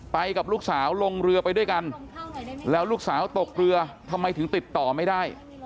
ไปกับลูกสาวลงเรือไปด้วยกันแล้วลูกสาวตกเรือทำไมถึงติดต่อไม่ได้